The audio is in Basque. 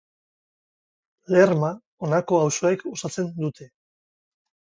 Lerma honako auzoek osatzen dute.